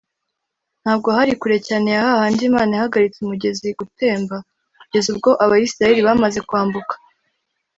Ntabwo hari kure cyane ya ha handi Imana yahagaritse umugezi gutemba kugeza ubwo Abisiraheli bamaze kwambuka